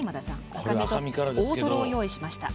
赤身と大トロをご用意しました。